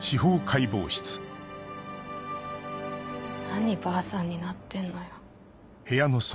何ばあさんになってんのよ。